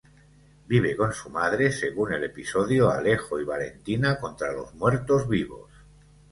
Vive con su madre, según el episodio "Alejo y Valentina contra los muertos vivos".